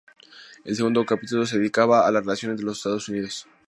El segundo capítulo se dedicaba a la relación con los Estados Unidos.